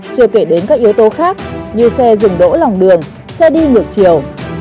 chưa kể đến các yếu tố khác như xe dừng đỗ lòng đường xe đi ngược chiều